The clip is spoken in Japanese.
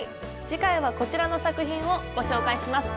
次回はこちらの作品をご紹介します。